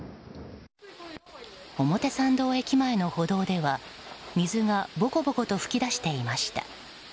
表参道駅前の歩道では水がボコボコと噴き出していました。